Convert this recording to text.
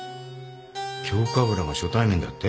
京かぶらが初対面だって？